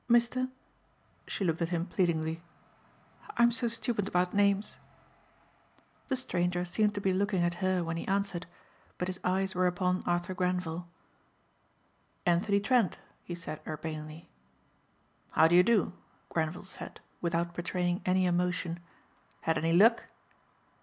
Mr.?" She looked at him pleadingly, "I'm so stupid about names." The stranger seemed to be looking at her when he answered, but his eyes were upon Arthur Grenvil. "Anthony Trent," he said urbanely. "How do you do," Grenvil said without betraying any emotion. "Had any luck?"